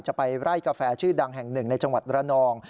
จะไปไล่กาแฟชื่อดังแห่งหนึ่งในจังหวัดระนอง